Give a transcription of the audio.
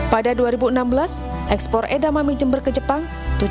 pada dua ribu enam belas ekspor edamami jember ke jepang